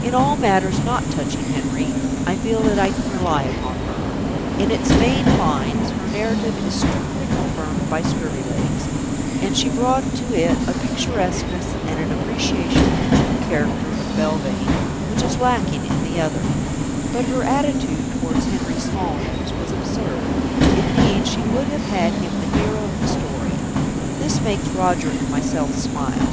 In all matters not touching Henry, I feel that I can rely upon her; in its main lines her narrative is strictly confirmed by Scurvilegs, and she brought to it a picturesqueness and an appreciation of the true character of Belvane which is lacking in the other; but her attitude towards Henry Smallnose was absurd. Indeed she would have had him the hero of the story. This makes Roger and myself smile.